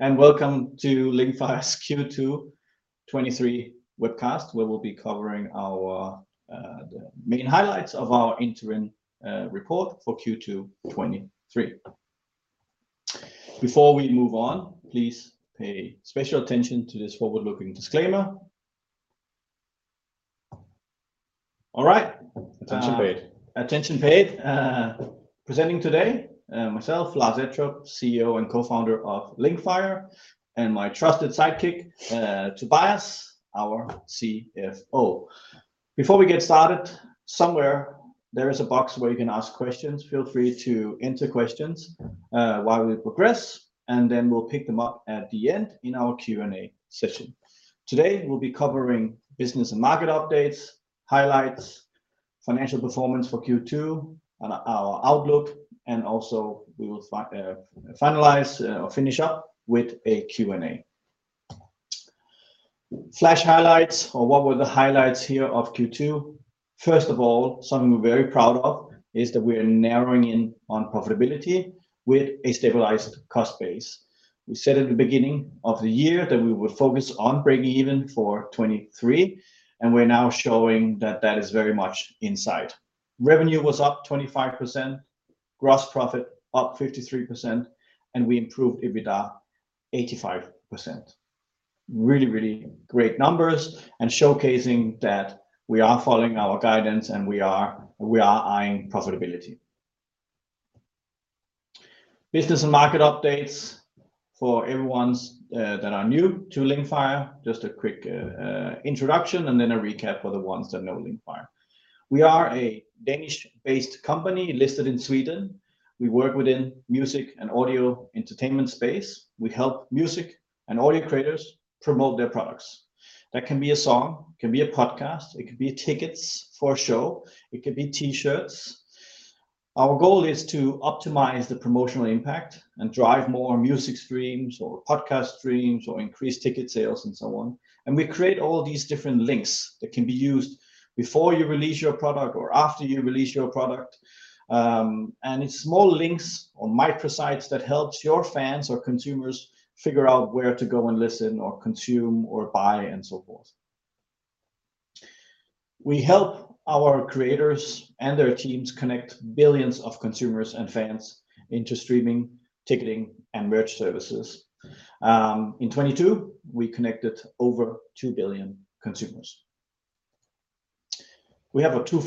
Welcome to Linkfire's Q2 2023 webcast, where we'll be covering our, the main highlights of our interim, report for Q2 2023. Before we move on, please pay special attention to this forward-looking disclaimer. All right, Attention paid. Attention paid. Presenting today, myself, Lars Ettrup, CEO and Co-founder of Linkfire, and my trusted sidekick, Tobias, our CFO. Before we get started, somewhere there is a box where you can ask questions. Feel free to enter questions, while we progress, and then we'll pick them up at the end in our Q&A session. Today, we'll be covering business and market updates, highlights, financial performance for Q2, and our outlook, and also we will finalize, or finish up with a Q&A. Flash highlights, or what were the highlights here of Q2? First of all, something we're very proud of, is that we are narrowing in on profitability with a stabilized cost base. We said at the beginning of the year that we would focus on breaking even for 2023, and we're now showing that that is very much in sight. Revenue was up 25%, gross profit up 53%, and we improved EBITDA 85%. Really, really great numbers, and showcasing that we are following our guidance, and we are, we are eyeing profitability. Business and market updates. For everyone's, that are new to Linkfire, just a quick, introduction and then a recap for the ones that know Linkfire. We are a Danish-based company listed in Sweden. We work within music and audio entertainment space. We help music and audio creators promote their products. That can be a song, it can be a podcast, it could be tickets for a show, it could be T-shirts. Our goal is to optimize the promotional impact and drive more music streams or podcast streams or increase ticket sales and so on, and we create all these different links that can be used before you release your product or after you release your product. And it's small links or microsites that helps your fans or consumers figure out where to go and listen or consume or buy, and so forth. We help our creators and their teams connect billions of consumers and fans into streaming, ticketing, and merch services. In 2022, we connected over two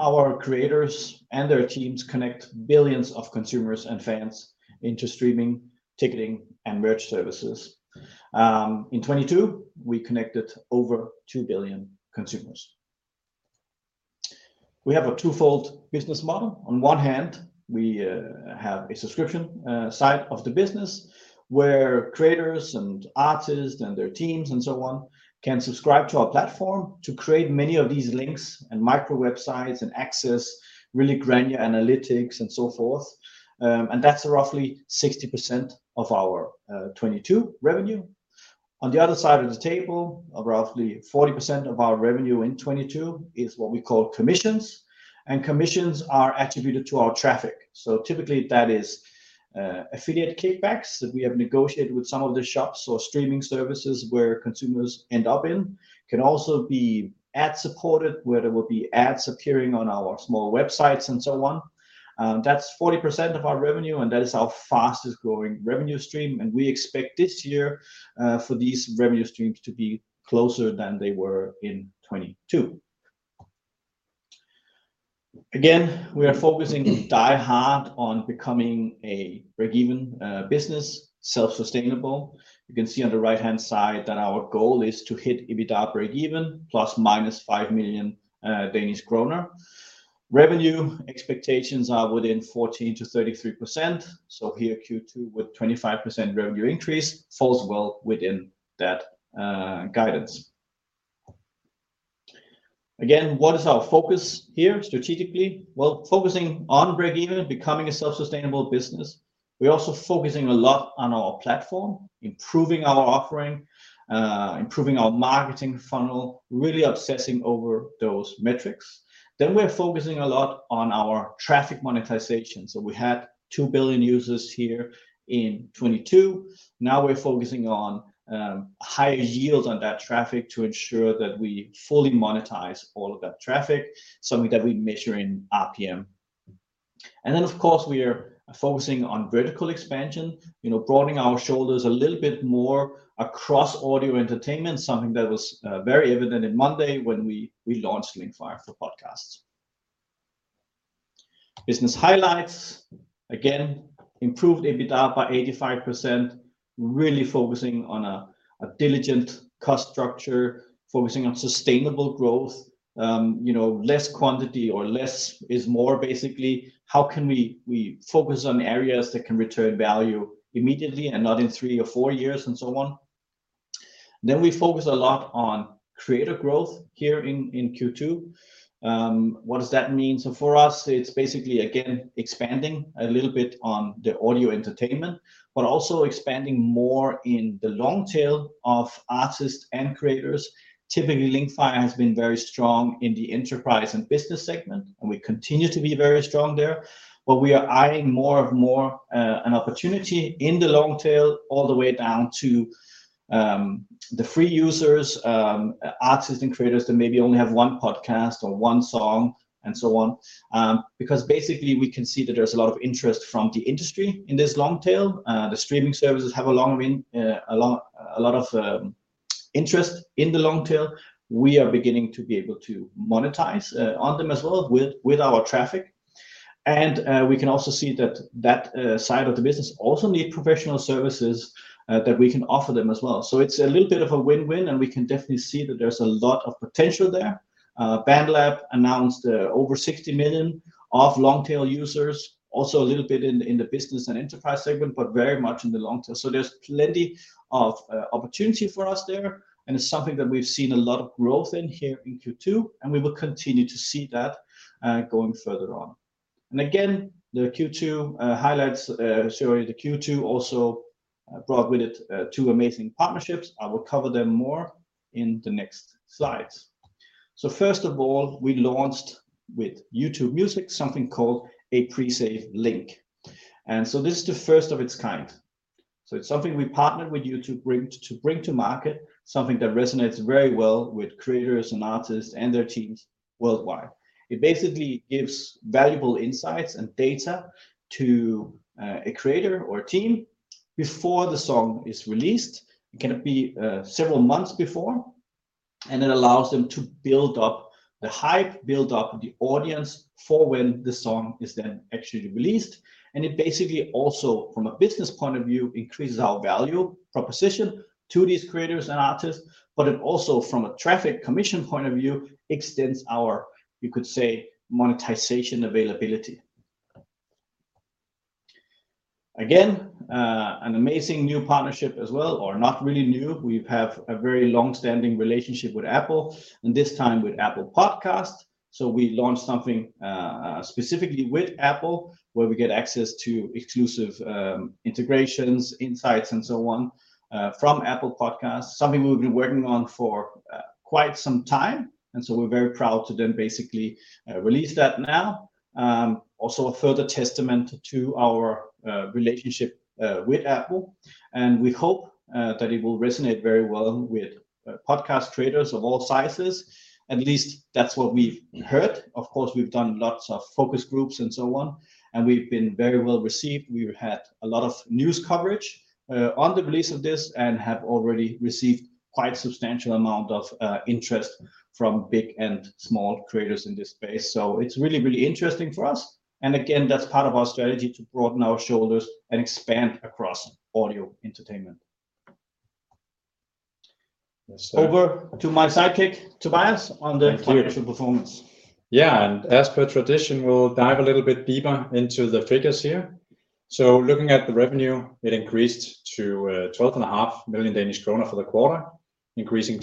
billion consumers. We have a twofold business model. On one hand, we have a subscription side of the business, where creators and artists and their teams and so on, can subscribe to our platform to create many of these links and micro websites and access really granular analytics and so forth. And that's roughly 60% of our 2022 revenue. On the other side of the table, roughly 40% of our revenue in 2022, is what we call commissions, and commissions are attributed to our traffic. So typically that is, affiliate kickbacks that we have negotiated with some of the shops or streaming services where consumers end up in, can also be ad-supported, where there will be ads appearing on our small websites and so on. That's 40% of our revenue, and that is our fastest-growing revenue stream, and we expect this year for these revenue streams to be closer than they were in 2022. Again, we are focusing die-hard on becoming a break-even, business, self-sustainable. You can see on the right-hand side that our goal is to hit EBITDA break even, ± 5 million Danish kroner. Revenue expectations are within 14%-33%, so here, Q2, with 25% revenue increase, falls well within that guidance. Again, what is our focus here strategically? Well, focusing on break even and becoming a self-sustainable business. We're also focusing a lot on our platform, improving our offering, improving our marketing funnel, really obsessing over those metrics. Then we're focusing a lot on our traffic monetization. So we had two billion users here in 2022. Now we're focusing on higher yield on that traffic to ensure that we fully monetize all of that traffic, something that we measure in RPM. And then, of course, we are focusing on vertical expansion, you know, broadening our shoulders a little bit more across audio entertainment, something that was very evident on Monday when we launched Linkfire for Podcasts. Business highlights. Again, improved EBITDA by 85%. Really focusing on a diligent cost structure, focusing on sustainable growth. You know, less quantity or less is more, basically. How can we focus on areas that can return value immediately and not in three or four years, and so on? Then we focus a lot on creator growth here in Q2. What does that mean? So for us, it's basically, again, expanding a little bit on the audio entertainment, but also expanding more in the long tail of artists and creators. Typically, Linkfire has been very strong in the Enterprise and Business segment, and we continue to be very strong there, but we are eyeing more and more an opportunity in the long tail, all the way down to the free users, artists and creators that maybe only have one podcast or one song, and so on. Because basically we can see that there's a lot of interest from the industry in this long tail. The streaming services have a lot, a lot of interest in the long tail. We are beginning to be able to monetize on them as well with our traffic. We can also see that side of the business also needs professional services that we can offer them as well. So it's a little bit of a win-win, and we can definitely see that there's a lot of potential there. BandLab announced over 60 million of long-tail users, also a little bit in the business and enterprise segment, but very much in the long tail. So there's plenty of opportunity for us there, and it's something that we've seen a lot of growth in here in Q2, and we will continue to see that going further on. And again, the Q2 highlights showing the Q2 also brought with it two amazing partnerships. I will cover them more in the next slides. So first of all, we launched with YouTube Music something called a pre-save link. This is the first of its kind. It's something we partnered with YouTube bring, to bring to market, something that resonates very well with creators and artists and their teams worldwide. It basically gives valuable insights and data to a creator or team before the song is released. It can be several months before, and it allows them to build up the hype, build up the audience for when the song is then actually released. It basically also, from a business point of view, increases our value proposition to these creators and artists, but it also, from a traffic commission point of view, extends our, you could say, monetization availability. Again, an amazing new partnership as well, or not really new. We have a very long-standing relationship with Apple, and this time with Apple Podcasts. We launched something specifically with Apple, where we get access to exclusive integrations, insights, and so on from Apple Podcasts, something we've been working on for quite some time, and so we're very proud to then basically release that now. Also a further testament to our relationship with Apple, and we hope that it will resonate very well with podcast creators of all sizes. At least, that's what we've heard. Of course, we've done lots of focus groups and so on, and we've been very well received. We've had a lot of news coverage on the release of this and have already received quite substantial amount of interest from big and small creators in this space. It's really, really interesting for us. And again, that's part of our strategy to broaden our shoulders and expand across audio entertainment. Yes, so- Over to my sidekick, Tobias, on the financial performance. Yeah, and as per tradition, we'll dive a little bit deeper into the figures here. So looking at the revenue, it increased to 12.5 million Danish krone for the quarter, increasing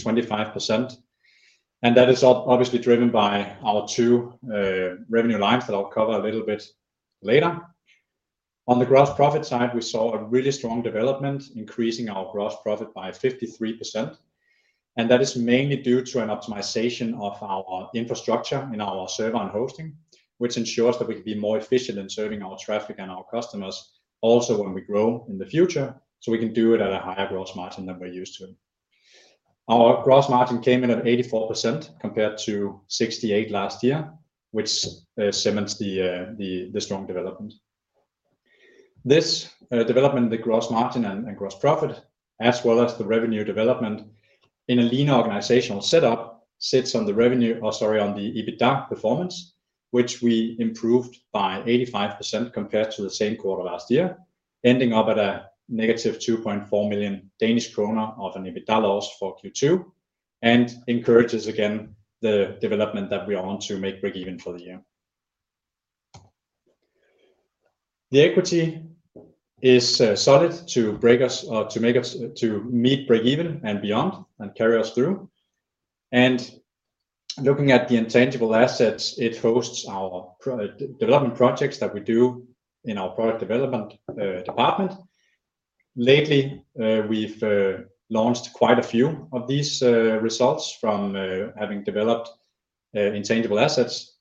25%. And that is obviously driven by our two revenue lines that I'll cover a little bit later. On the gross profit side, we saw a really strong development, increasing our gross profit by 53%, and that is mainly due to an optimization of our infrastructure in our server and hosting, which ensures that we can be more efficient in serving our traffic and our customers, also when we grow in the future, so we can do it at a higher gross margin than we're used to. Our gross margin came in at 84%, compared to 68% last year, which cements the strong development. This development, the gross margin and gross profit, as well as the revenue development in a lean organizational setup, sits on the revenue... or sorry, on the EBITDA performance, which we improved by 85% compared to the same quarter last year, ending up at a -2.4 million Danish kroner EBITDA loss for Q2, and encourages again, the development that we are on to make break even for the year. The equity is solid to break us, or to make us, to meet break even and beyond, and carry us through. Looking at the intangible assets, it hosts our product development projects that we do in our product development department. Lately, we've launched quite a few of these results from having developed intangible assets,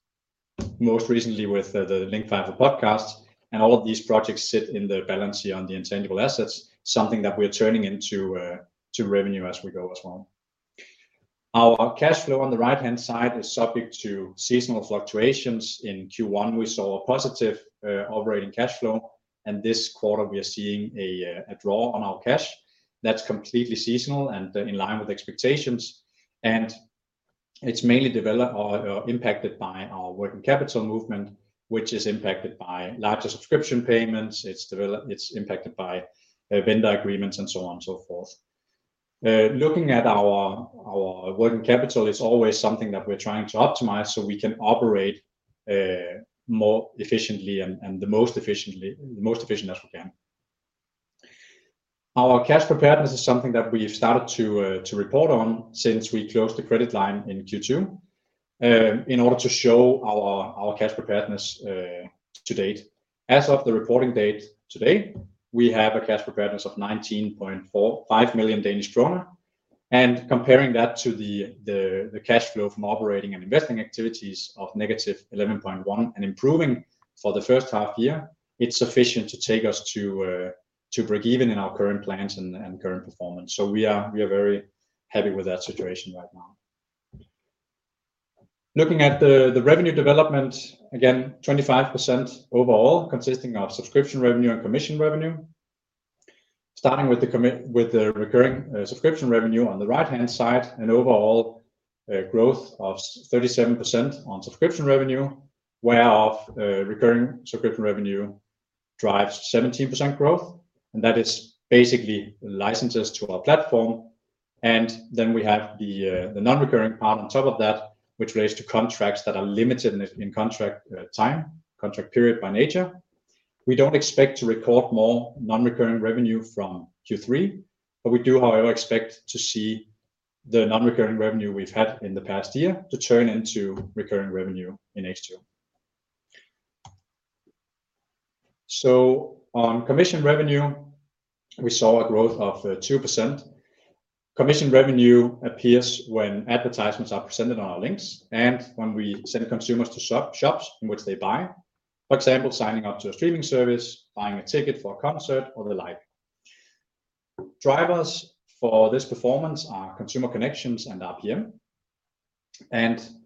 most recently with the Linkfire for Podcasts, and all of these projects sit in the balance here on the intangible assets, something that we're turning into revenue as we go as well. Our cash flow on the right-hand side is subject to seasonal fluctuations. In Q1, we saw a positive operating cash flow, and this quarter we are seeing a draw on our cash. That's completely seasonal and in line with expectations, and it's mainly impacted by our working capital movement, which is impacted by larger subscription payments, it's impacted by vendor agreements and so on and so forth. Looking at our working capital, it's always something that we're trying to optimize so we can operate more efficiently and the most efficiently, the most efficient as we can. Our cash preparedness is something that we've started to report on since we closed the credit line in Q2, in order to show our cash preparedness to date. As of the reporting date today, we have a cash preparedness of 19.45 million Danish kroner. Comparing that to the cash flow from operating and investing activities of -11.1 million, and improving for the first half year, it's sufficient to take us to break even in our current plans and current performance. So we are very happy with that situation right now. Looking at the revenue development, again, 25% overall, consisting of subscription revenue and commission revenue. Starting with the recurring subscription revenue on the right-hand side, and overall growth of so 37% on subscription revenue, whereof recurring subscription revenue drives 17% growth, and that is basically licenses to our platform. And then we have the non-recurring part on top of that, which relates to contracts that are limited in contract time, contract period by nature. We don't expect to record more non-recurring revenue from Q3, but we do, however, expect to see the non-recurring revenue we've had in the past year to turn into recurring revenue in H2. So on commission revenue, we saw a growth of 2%. Commission revenue appears when advertisements are presented on our links and when we send consumers to shop, shops in which they buy, for example, signing up to a streaming service, buying a ticket for a concert, or the like. Drivers for this performance are consumer connections and RPM.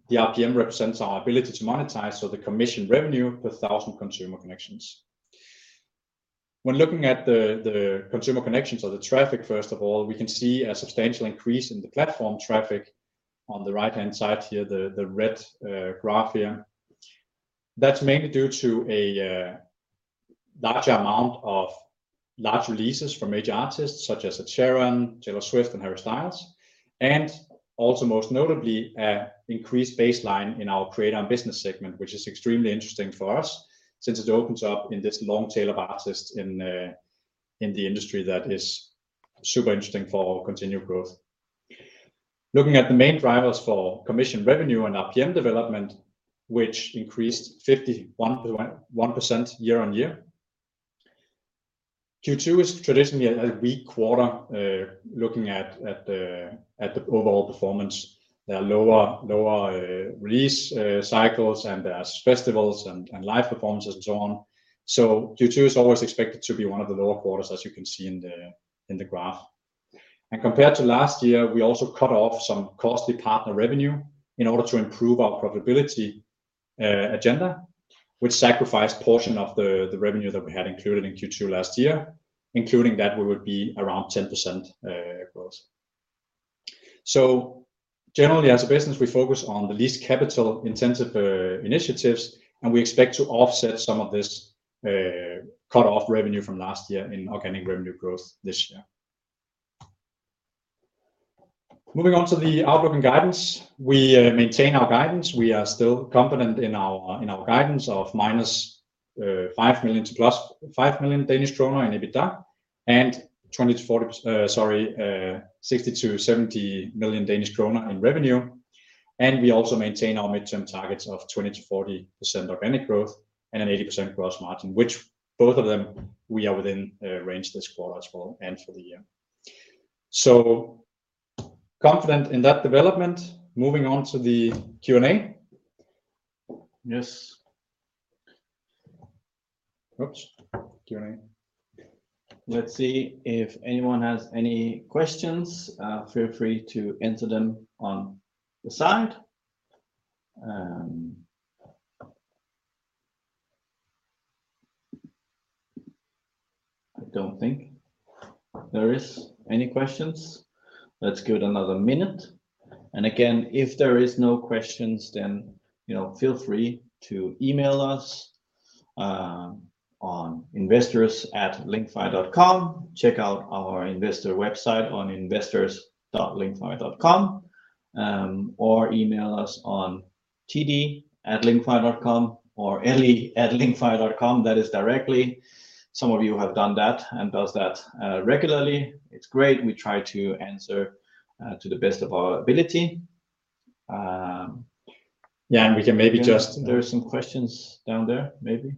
The RPM represents our ability to monetize, so the commission revenue per thousand consumer connections. When looking at the consumer connections or the traffic, first of all, we can see a substantial increase in the platform traffic. On the right-hand side here, the red graph here. That's mainly due to a large amount of large releases from major artists such as Ed Sheeran, Taylor Swift, and Harry Styles, and also most notably, an increased baseline in our Creator and Business segment, which is extremely interesting for us, since it opens up in this long tail of artists in the industry that is super interesting for our continued growth. Looking at the main drivers for commission revenue and RPM development, which increased 51.1% year-on-year. Q2 is traditionally a weak quarter looking at the overall performance. There are lower release cycles, and there's festivals and live performances and so on. So Q2 is always expected to be one of the lower quarters, as you can see in the graph. Compared to last year, we also cut off some costly partner revenue in order to improve our profitability agenda, which sacrificed portion of the revenue that we had included in Q2 last year. Including that, we would be around 10% growth. Generally, as a business, we focus on the least capital-intensive initiatives, and we expect to offset some of this cut-off revenue from last year in organic revenue growth this year. Moving on to the outlook and guidance, we maintain our guidance. We are still confident in our guidance of -5 million to +5 million Danish kroner in EBITDA and 60 million-70 million Danish kroner in revenue. We also maintain our midterm targets of 20%-40% organic growth and an 80% gross margin, which both of them we are within range this quarter as well, and for the year. So confident in that development. Moving on to the Q&A. Yes. Oops, Q&A. Let's see if anyone has any questions. Feel free to enter them on the side. I don't think there is any questions. Let's give it another minute. And again, if there is no questions, then, you know, feel free to email us on investors@linkfire.com. Check out our investor website on investors.linkfire.com, or email us on td@linkfire.com or le@linkfire.com, that is directly. Some of you have done that and does that regularly. It's great. We try to answer to the best of our ability. Yeah, and we can maybe just- There are some questions down there, maybe.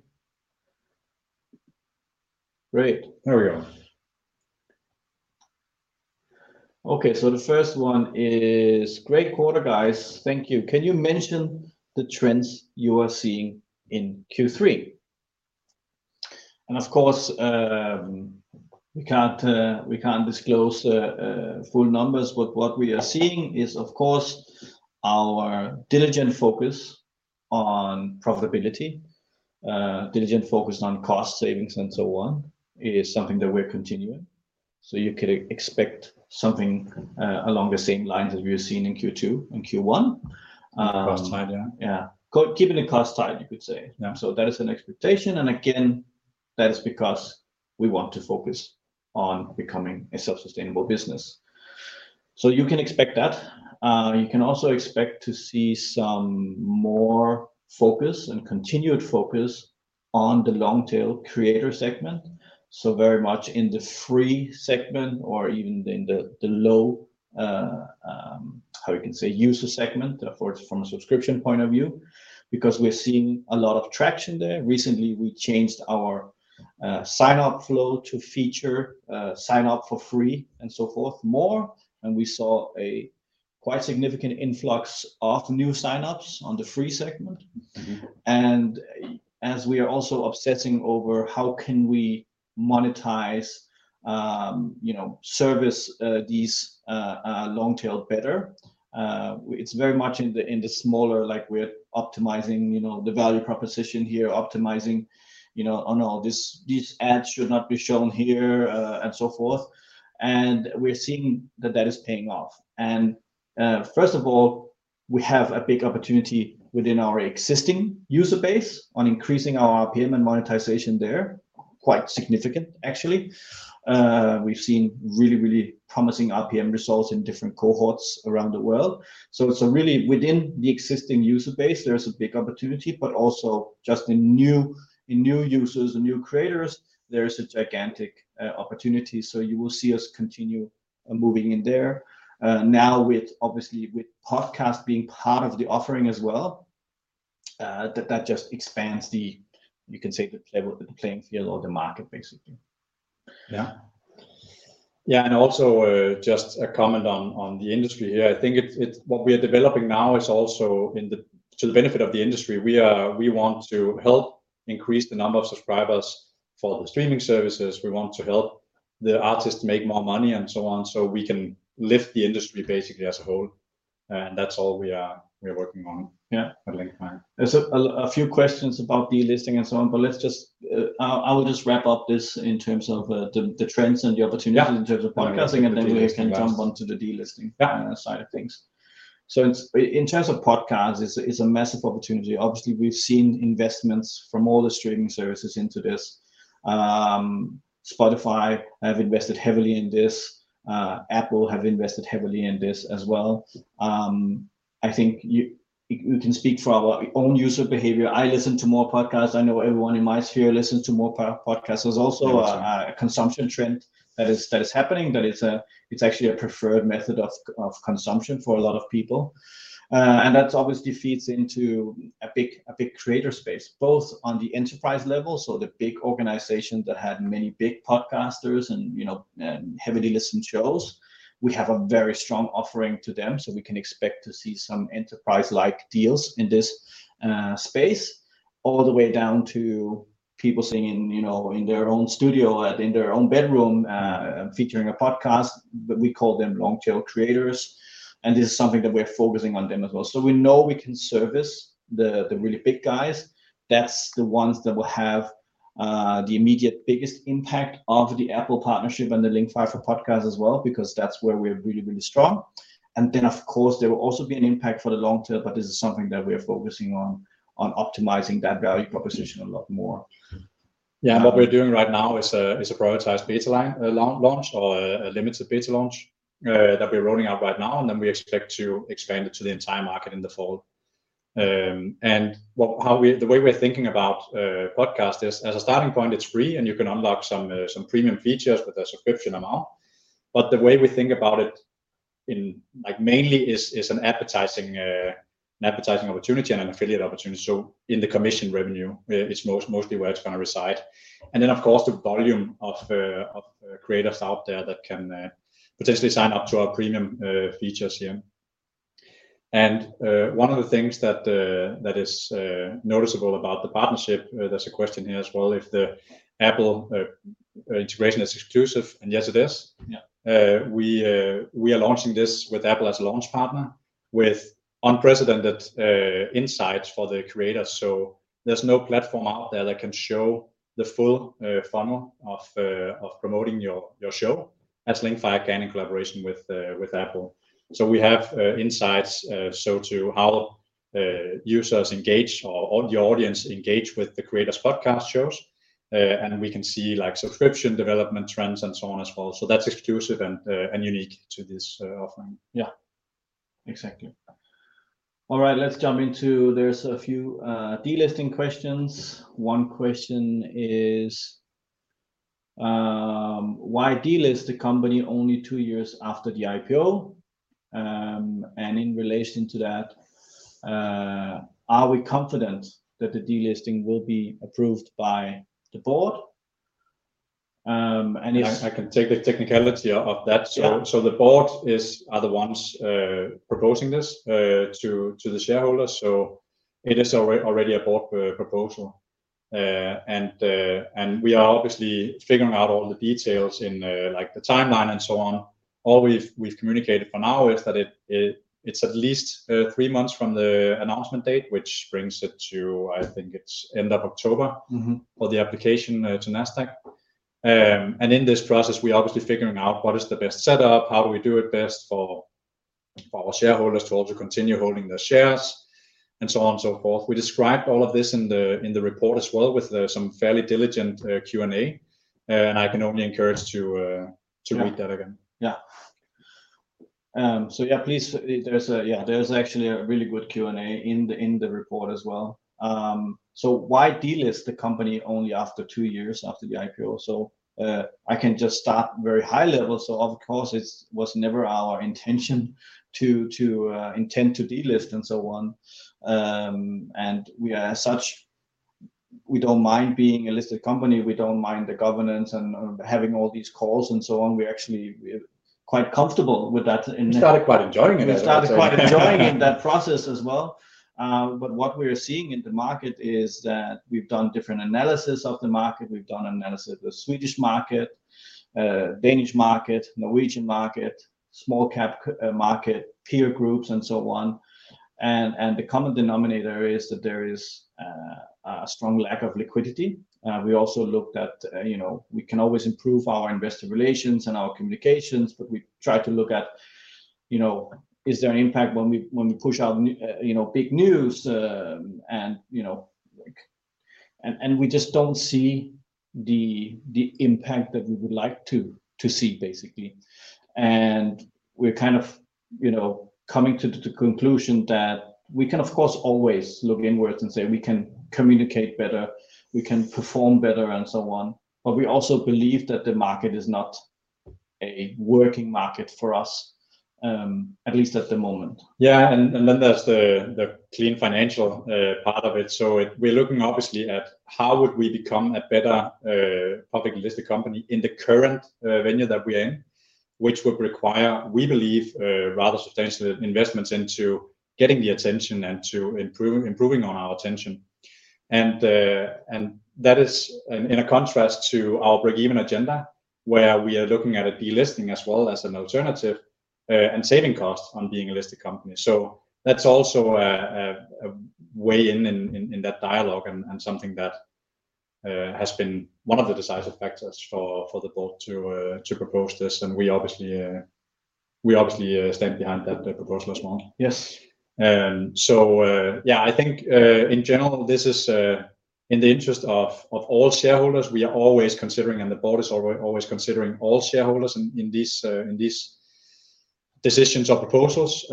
Great. There we go. Okay, so the first one is: "Great quarter, guys. Thank you. Can you mention the trends you are seeing in Q3? Of course, we can't disclose full numbers, but what we are seeing is, of course, our diligent focus on profitability, diligent focus on cost savings and so on, is something that we're continuing. You can expect something along the same lines as we have seen in Q2 and Q1. Cost tied down. Yeah. Keeping it cost tight, you could say. Yeah. So that is an expectation, and again, that is because we want to focus on becoming a self-sustainable business. So you can expect that. You can also expect to see some more focus and continued focus on the long-tail creator segment, so very much in the free segment or even in the low.... how you can say, user segment from a subscription point of view, because we're seeing a lot of traction there. Recently, we changed our sign-up flow to feature sign up for free and so forth more, and we saw a quite significant influx of new signups on the free segment. Mm-hmm. And as we are also obsessing over how can we monetize, you know, service these long tail better, it's very much in the smaller, like, we're optimizing the value proposition here, optimizing, no, this these ads should not be shown here, and so forth. And we're seeing that that is paying off. And first of all, we have a big opportunity within our existing user base on increasing our RPM and monetization there. Quite significant, actually. We've seen really, really promising RPM results in different cohorts around the world. So really within the existing user base, there's a big opportunity, but also just in new users and new creators, there is a gigantic opportunity. So you will see us continue moving in there. Now with obviously with podcast being part of the offering as well, that just expands the, you can say, the level playing field or the market, basically. Yeah? Yeah, and also, just a comment on the industry here. I think it's what we are developing now is also in the to the benefit of the industry. We want to help increase the number of subscribers for the streaming services. We want to help the artists make more money and so on, so we can lift the industry basically as a whole, and that's all we are, we're working on- Yeah... at Linkfire. There's a few questions about delisting and so on, but let's just, I will just wrap up this in terms of, the trends and the opportunities- Yeah... in terms of podcasting, and then we can jump onto the delisting- Yeah... side of things. So in, in terms of podcasts, it's, it's a massive opportunity. Obviously, we've seen investments from all the streaming services into this. Spotify have invested heavily in this. Apple have invested heavily in this as well. I think you, you can speak for our own user behavior. I listen to more podcasts. I know everyone in my sphere listens to more podcasts. Yes. There's also a consumption trend that is happening. It is actually a preferred method of consumption for a lot of people. And that obviously feeds into a big creator space, both on the enterprise level, so the big organizations that have many big podcasters and, you know, heavily listened shows. We have a very strong offering to them, so we can expect to see some enterprise-like deals in this space, all the way down to people sitting in, you know, in their own studio, in their own bedroom, featuring a podcast, but we call them long-tail creators, and this is something that we're focusing on them as well. So we know we can service the really big guys. That's the ones that will have the immediate biggest impact of the Apple partnership and the Linkfire for Podcasts as well, because that's where we're really, really strong. And then, of course, there will also be an impact for the long tail, but this is something that we are focusing on optimizing that value proposition a lot more. Yeah. What we're doing right now is a prioritized beta live launch, or a limited beta launch, that we're rolling out right now, and then we expect to expand it to the entire market in the fall. The way we're thinking about podcast is, as a starting point, it's free, and you can unlock some premium features with a subscription amount. But the way we think about it in, like, mainly is an advertising opportunity and an affiliate opportunity. So in the commission revenue, it's mostly where it's gonna reside. And then, of course, the volume of creators out there that can potentially sign up to our premium features here. One of the things that is noticeable about the partnership. There's a question here as well, if the Apple integration is exclusive, and yes, it is. Yeah. We are launching this with Apple as a launch partner, with unprecedented insights for the creators. So there's no platform out there that can show the full funnel of promoting your show, as Linkfire can in collaboration with Apple. So we have insights so to how users engage or the audience engage with the creators' podcast shows. And we can see, like, subscription development trends and so on as well. So that's exclusive and unique to this offering. Yeah, exactly. All right, let's jump into... There's a few delisting questions. One question is: Why delist the company only two years after the IPO? And in relation to that, are we confident that the delisting will be approved by the board? And if- I can take the technicality of that. Yeah. So the board are the ones proposing this to the shareholders. So it is already a board proposal. And we are obviously figuring out all the details in like the timeline and so on. All we've communicated for now is that it's at least three months from the announcement date, which brings it to, I think it's end of October- Mm-hmm... or the application to Nasdaq. And in this process, we're obviously figuring out what is the best setup, how do we do it best for our shareholders to also continue holding their shares, and so on and so forth. We described all of this in the report as well, with some fairly diligent Q&A, and I can only encourage to read that again. Yeah. Yeah. So yeah, please, there's actually a really good Q&A in the report as well. So why delist the company only after two years after the IPO? So, I can just start very high level. So of course, it's was never our intention to intend to delist and so on. And we are as such we don't mind being a listed company, we don't mind the governance and having all these calls and so on. We're actually, we're quite comfortable with that and- We started quite enjoying it. We started quite enjoying in that process as well. But what we're seeing in the market is that we've done different analysis of the market, we've done analysis of the Swedish market, Danish market, Norwegian market, small cap market, peer groups, and so on. And the common denominator is that there is a strong lack of liquidity. We also looked at, you know, we can always improve our investor relations and our communications, but we try to look at, you know, is there an impact when we push out you know big news, and, you know, like... And we just don't see the impact that we would like to see, basically. We're kind of, you know, coming to the conclusion that we can, of course, always look inwards and say we can communicate better, we can perform better, and so on, but we also believe that the market is not a working market for us, at least at the moment. Yeah, and then there's the clean financial part of it. So it- we're looking obviously at how would we become a better publicly listed company in the current venue that we're in, which would require, we believe, rather substantial investments into getting the attention and to improving, improving on our attention. And that is in a contrast to our breakeven agenda, where we are looking at a delisting as well as an alternative and saving costs on being a listed company. So that's also a way in that dialogue and something that has been one of the decisive factors for the board to propose this. And we obviously stand behind that, the proposal as well. Yes. And so, yeah, I think, in general, this is in the interest of all shareholders. We are always considering, and the board is always, always considering all shareholders in this decisions or proposals.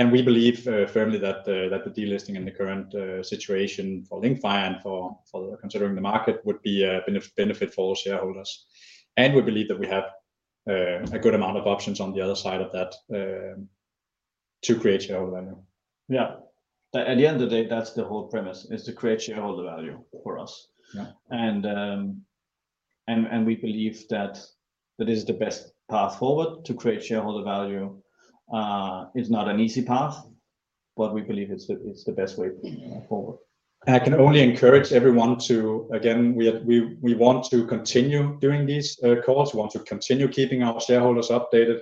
And we believe firmly that the delisting in the current situation for Linkfire and for considering the market would be a benefit for all shareholders. And we believe that we have a good amount of options on the other side of that to create shareholder value. Yeah. At the end of the day, that's the whole premise, is to create shareholder value for us. Yeah. We believe that is the best path forward to create shareholder value. It's not an easy path, but we believe it's the best way forward. I can only encourage everyone to, again, we want to continue doing these calls. We want to continue keeping our shareholders updated.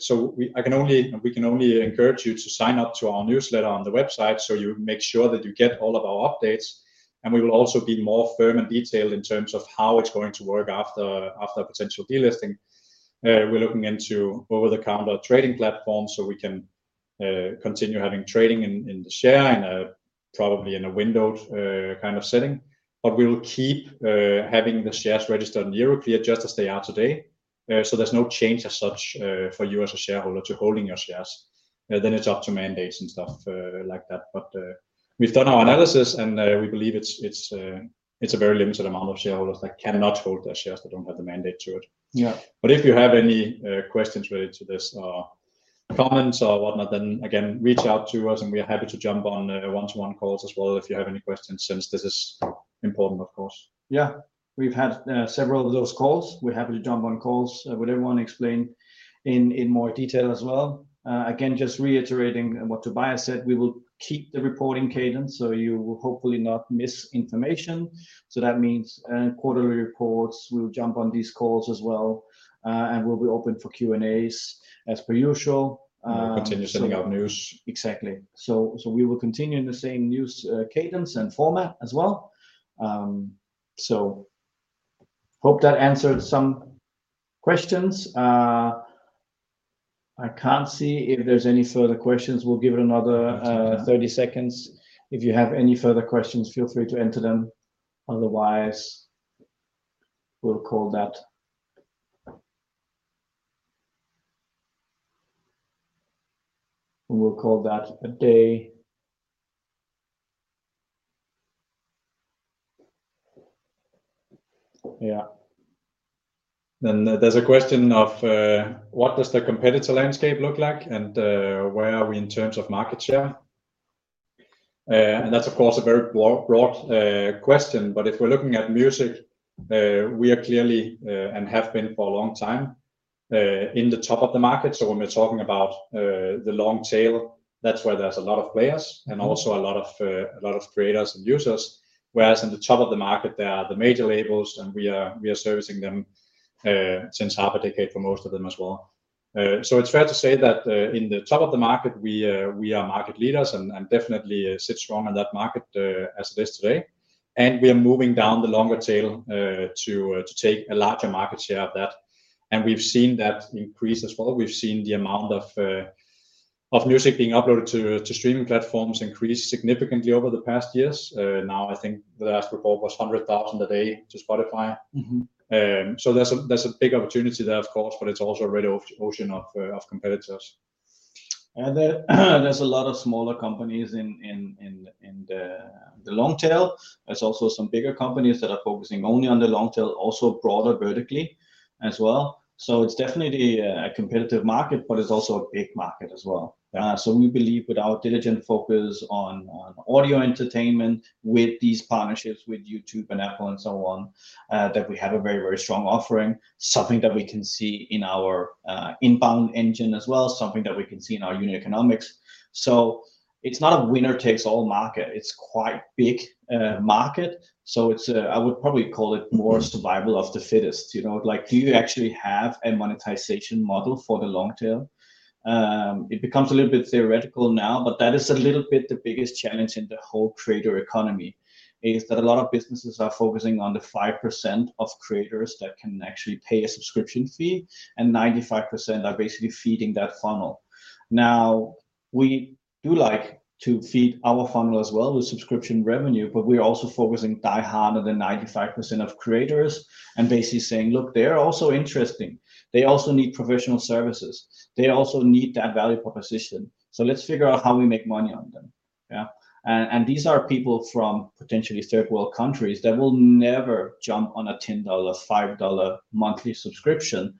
So we can only encourage you to sign up to our newsletter on the website, so you make sure that you get all of our updates, and we will also be more firm and detailed in terms of how it's going to work after a potential delisting. We're looking into over-the-counter trading platforms, so we can continue having trading in the share in a probably windowed kind of setting. But we will keep having the shares registered in Europe just as they are today. So there's no change as such for you as a shareholder to holding your shares. Then it's up to mandates and stuff, like that. But, we've done our analysis, and, we believe it's a very limited amount of shareholders that cannot hold their shares, that don't have the mandate to it. Yeah. But if you have any questions related to this, comments or whatnot, then again, reach out to us, and we are happy to jump on a one-to-one calls as well, if you have any questions, since this is important, of course. Yeah. We've had several of those calls. We're happy to jump on calls with everyone, explain in more detail as well. Again, just reiterating what Tobias said, we will keep the reporting cadence, so you will hopefully not miss information. So that means quarterly reports, we'll jump on these calls as well, and we'll be open for Q&As as per usual, so- Continue sending out news. Exactly. So we will continue in the same news, cadence and format as well. So hope that answered some questions. I can't see if there's any further questions. We'll give it another, 30 seconds. If you have any further questions, feel free to enter them, otherwise, we'll call that... We'll call that a day. Yeah. There's a question of, "What does the competitor landscape look like, and where are we in terms of market share?" That's of course a very broad, broad question, but if we're looking at music, we are clearly and have been for a long time in the top of the market. So when we're talking about the long tail, that's where there's a lot of players and also a lot of a lot of creators and users, whereas in the top of the market, there are the major labels, and we are servicing them since half a decade for most of them as well. So it's fair to say that in the top of the market, we are market leaders and definitely sit strong in that market as it is today. We are moving down the longer tail to take a larger market share of that. We've seen that increase as well. We've seen the amount of music being uploaded to streaming platforms increase significantly over the past years. Now, I think the last report was 100,000 a day to Spotify. Mm-hmm. So there's a big opportunity there, of course, but it's also a red ocean of competitors.... There's a lot of smaller companies in the long tail. There's also some bigger companies that are focusing only on the long tail, also broader vertically as well. It's definitely a competitive market, but it's also a big market as well. We believe with our diligent focus on audio entertainment, with these partnerships with YouTube and Apple and so on, that we have a very, very strong offering, something that we can see in our inbound engine as well, something that we can see in our unit economics. It's not a winner-takes-all market, it's quite big market. It's I would probably call it more- Mm... survival of the fittest. You know, like, do you actually have a monetization model for the long tail? It becomes a little bit theoretical now, but that is a little bit the biggest challenge in the whole creator economy, is that a lot of businesses are focusing on the 5% of creators that can actually pay a subscription fee, and 95% are basically feeding that funnel. Now, we do like to feed our funnel as well with subscription revenue, but we're also focusing die hard on the 95% of creators and basically saying, "Look, they're also interesting. They also need professional services. They also need that value proposition, so let's figure out how we make money on them." Yeah? And these are people from potentially third-world countries that will never jump on a $10, $5 monthly subscription.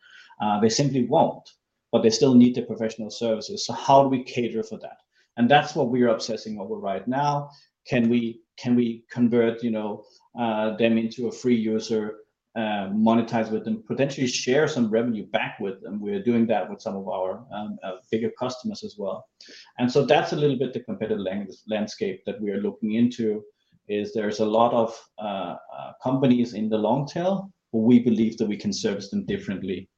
They simply won't, but they still need the professional services. So how do we cater for that? And that's what we're obsessing over right now. Can we, can we convert, you know, them into a free user, monetize with them, potentially share some revenue back with them? We're doing that with some of our bigger customers as well. And so that's a little bit the competitive landscape that we are looking into, is there's a lot of companies in the long tail, but we believe that we can service them differently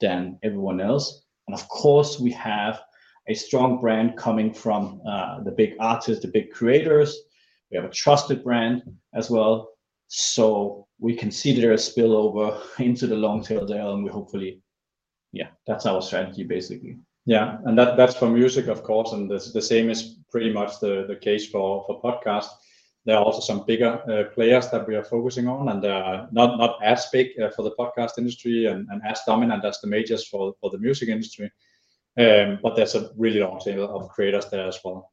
than everyone else. And of course, we have a strong brand coming from the big artists, the big creators. We have a trusted brand as well, so we can see there a spillover into the long tail there, and we hopefully... Yeah, that's our strategy, basically. Yeah, and that, that's for music, of course, and the same is pretty much the case for podcast. There are also some bigger players that we are focusing on, and not as big for the podcast industry and as dominant as the majors for the music industry. But there's a really long tail of creators there as well.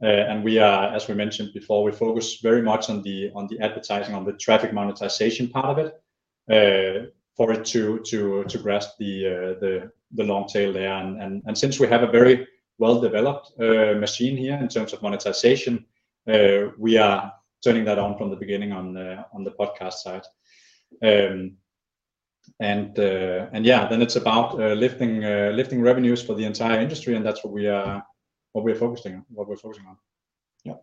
And we are, as we mentioned before, we focus very much on the advertising, on the traffic monetization part of it, for it to grasp the long tail there. And since we have a very well-developed machine here in terms of monetization, we are turning that on from the beginning on the podcast side. And yeah, then it's about lifting revenues for the entire industry, and that's what we're focusing on. Yep.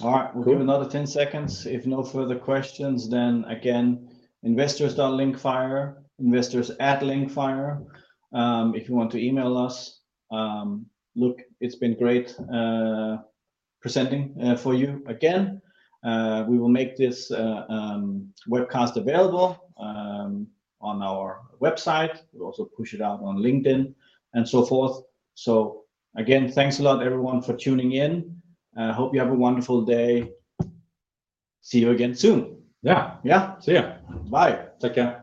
All right. Cool. We have another 10 seconds. If no further questions, then again, investors.linkfire, investors@linkfire, if you want to email us. Look, it's been great presenting for you again. We will make this webcast available on our website. We'll also push it out on LinkedIn and so forth. So again, thanks a lot, everyone, for tuning in, and I hope you have a wonderful day. See you again soon. Yeah. Yeah. See you. Bye. Take care. Tobias? Ah, we were muted. We were muted. Okay. Classic. Okay.